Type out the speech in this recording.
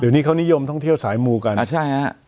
เดี๋ยวนี้เขานิยมท่องเที่ยวสายมูกันใช่ฮะ